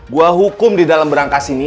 gua hukum di dalam berangkas ini